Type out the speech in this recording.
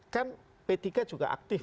kan p tiga juga aktif